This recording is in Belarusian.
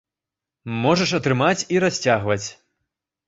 Можаш атрымаць і расцягваць.